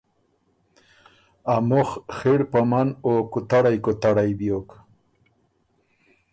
ا مُخ خِړ پمن او کُوتړئ کُوتړئ بیوک